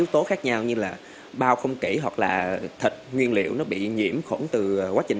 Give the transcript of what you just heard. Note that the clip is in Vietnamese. yếu tố khác nhau như là bao không kỹ hoặc là thịt nguyên liệu nó bị nhiễm khổn từ quá trình